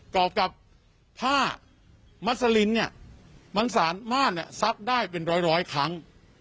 กรอบกับผ้ามัสซาลินมันสามารสักได้เป็นร้อยครั้ง